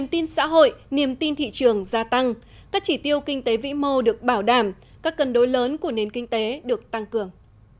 thị trường gia tăng các chỉ tiêu kinh tế vĩ mô được bảo đảm các cân đối lớn của nền kinh tế được tăng cường